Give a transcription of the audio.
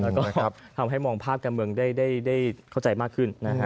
แล้วก็ทำให้มองภาพการเมืองได้เข้าใจมากขึ้นนะฮะ